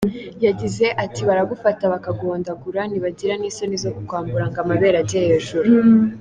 Yagize ati “Baragufata bakaguhondagura, ntibagira n’isoni zo kukwambura ngo amabere ajye hejuru.